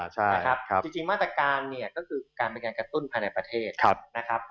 ใช่นะครับจริงมาตรการเนี่ยก็คือการเป็นการกระตุ้นภายในประเทศนะครับ